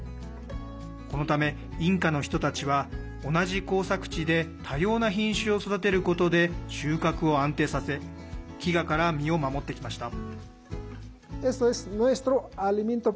このため、インカの人たちは同じ耕作地で多様な品種を育てることで収穫を安定させ飢餓から身を守ってきました。